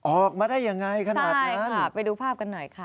ออกมาได้ยังไงขนาดนั้นไปดูภาพกันหน่อยค่ะ